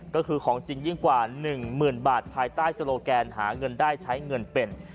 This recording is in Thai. ก็คือของจริงยิ่งกว่า๑หมื่นบาทภายใต้โลแกนหาเงินได้ใช้เงินเป็น